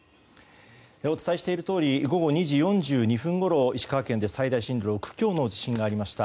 お伝えしているとおり午後２時４２分ごろ石川県で最大震度６強の地震がありました。